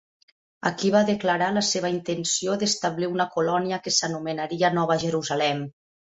Aquí va declarar la seva intenció d'establir una colònia que s'anomenaria Nova Jerusalem.